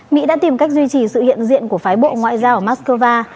mỹ đã tìm cách duy trì sự hiện diện của phái bộ ngoại giao ở moscow